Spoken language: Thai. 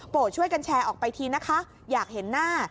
ช่วยกันแชร์ออกไปทีนะคะอยากเห็นหน้า